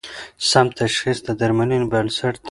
سم تشخیص د درملنې بنسټ دی.